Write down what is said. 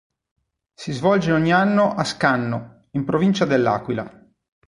Si svolge ogni anno a Scanno, in provincia dell'Aquila.